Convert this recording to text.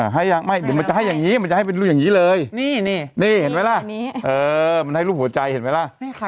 ให้อย่างงี้มันจะให้เป็นลูกอย่างงี้เลยมันให้รูปหัวใจเห็นไหมล่ะ